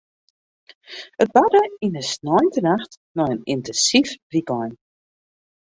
It barde yn in sneintenacht nei in yntinsyf wykein.